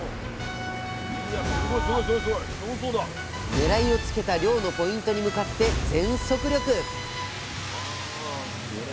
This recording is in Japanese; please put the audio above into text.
狙いをつけた漁のポイントに向かって全速力！